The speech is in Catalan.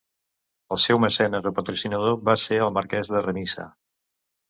El seu mecenes o patrocinador va ser el marquès de Remisa.